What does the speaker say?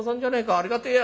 ありがてえや。